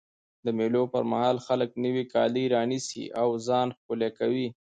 د مېلو پر مهال خلک نوی کالي رانيسي او ځان ښکلی کوي.